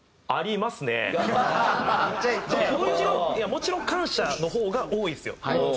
もちろん感謝の方が多いですよ。